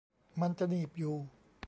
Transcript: มันจะหนีบอยู่